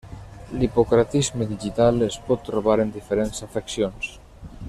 L'hipocratisme digital es pot trobar en diferents afeccions.